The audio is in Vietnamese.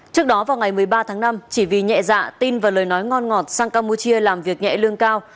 trước đó vào ngày một mươi ba tháng năm chỉ vì nhẹ dạ tin và lời nói ngon ngọt sang campuchia làm việc nhẹ lương cao